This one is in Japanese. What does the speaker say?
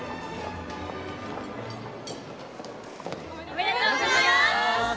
おめでとうございます！